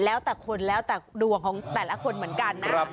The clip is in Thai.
แล้วแต่คนแล้วแต่ดวงของแต่ละคนเหมือนกันนะ